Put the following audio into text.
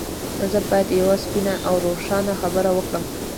زه بايد يوه سپينه او روښانه خبره وکړم.